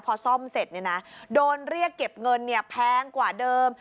พอซ่อมเสร็จโดนเรียกเก็บเงินแพงกว่าเดิม